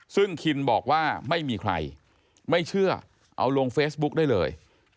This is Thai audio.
ซึ่งคินบอกว่าไม่มีใครไม่เชื่อเอาลงเฟซบุ๊กได้เลย